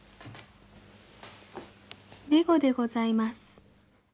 愛でございます。